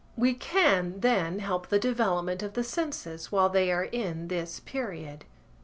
We can, then, help the development of the senses while they are in this period.